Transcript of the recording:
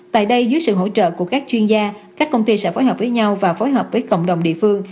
tại đây dưới sự hỗ trợ của các chuyên gia các công ty sẽ phối hợp với nhau và phối hợp với cộng đồng địa phương